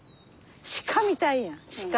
鹿みたいや鹿。